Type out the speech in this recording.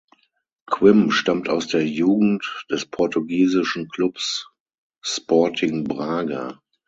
Quim stammt aus der Jugend des portugiesischen Clubs Sporting Braga.